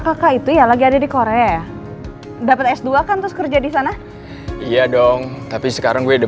kakak itu ya lagi ada di korea dapat s dua kan terus kerja di sana iya dong tapi sekarang gue udah